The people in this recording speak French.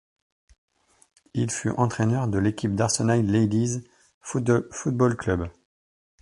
Il fut entraineur de l'équipe d'Arsenal Ladies Football Club.